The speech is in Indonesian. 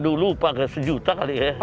aduh lupa sejuta kali ya